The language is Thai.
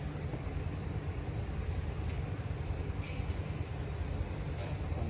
ติดลูกคลุม